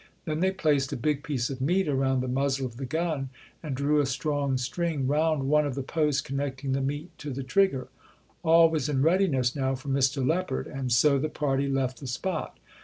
Then they placed a big piece of meat around the muzzle of the gun and drew a strong string round one of the posts connecting the meat to the trigger. All was in readiness now for Mr. Leopard; and so the party left the spot.